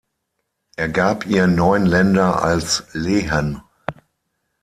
Er gab ihr neun Länder als Lehen.